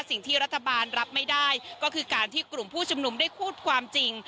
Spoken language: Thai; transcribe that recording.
สิ่งที่รัฐบาลรับไม่ได้ก็คือการที่กลุ่มผู้ชุมนุมได้พูดความจริง